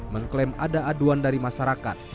mengklaim ada aduan dari masyarakat